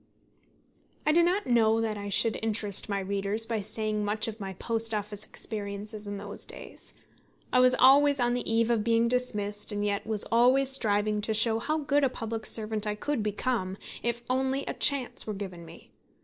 I do not know that I should interest my readers by saying much of my Post Office experiences in those days. I was always on the eve of being dismissed, and yet was always striving to show how good a public servant I could become, if only a chance were given me.